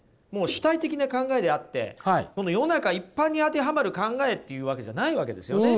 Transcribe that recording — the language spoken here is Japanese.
主体的な考えであって世の中一般に当てはまる考えっていうわけじゃないわけですよね。